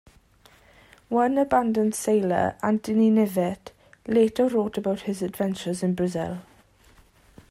One abandoned sailor, Anthony Knivet, later wrote about his adventures in Brazil.